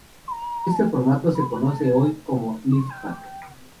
Este formato se conoce hoy como liftback.